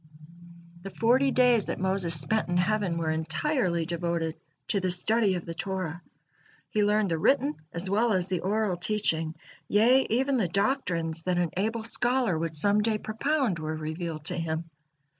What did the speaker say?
The forty days that Moses spent in heaven were entirely devoted to the study of the Torah, he learned the written as well as the oral teaching, yea, even the doctrines that an able scholar would some day propound were revealed to him.